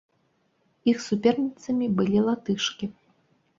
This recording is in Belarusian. Іх суперніцамі былі латышкі.